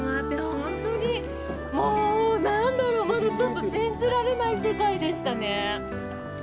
本当にもう、何だろう、まだちょっと信じられない世界でしたね。